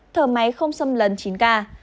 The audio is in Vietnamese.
thở máy không xâm lấn chín ca